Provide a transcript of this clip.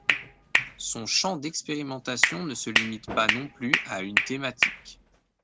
Son champ d'expérimentation ne se limite pas non plus à une thématique.